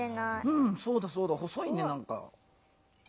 うんそうだそうだ細いねなんか。